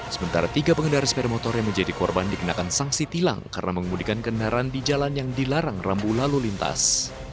sementara tiga pengendara sepeda motor yang menjadi korban dikenakan sanksi tilang karena mengemudikan kendaraan di jalan yang dilarang rambu lalu lintas